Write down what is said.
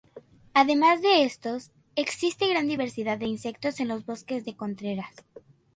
Además de estos, existe gran diversidad de insectos en los bosques de Contreras.